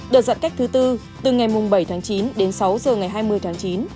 đợt giãn cách thứ tư từ ngày bảy tháng chín đến sáu giờ ngày hai mươi tháng chín